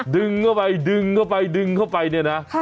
ดึงเข้าไปดึงเข้าไปดึงเข้าไปเนี่ยนะ